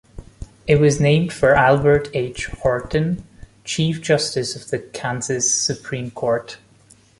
It was named for Albert H. Horton, chief justice of the Kansas Supreme Court.